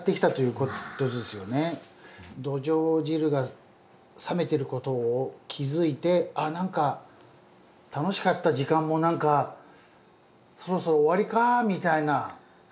「泥鰌汁」が冷めてることを気付いて「あっ何か楽しかった時間も何かそろそろ終わりか」みたいな。